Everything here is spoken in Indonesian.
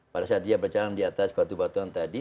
pada saat dia berjalan di atas batu batuan tadi